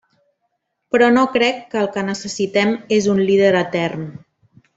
Però no crec que el que necessitem és un líder etern.